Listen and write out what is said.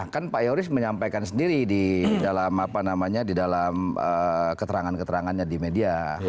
kan pak yoris menyampaikan sendiri di dalam apa namanya di dalam keterangan keterangannya di media